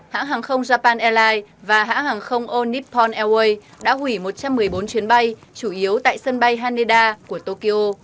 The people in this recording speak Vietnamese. hãng hàng không japan airlines và hãng hàng không onippon airways đã hủy một trăm một mươi bốn chuyến bay chủ yếu tại sân bay haneda của tokyo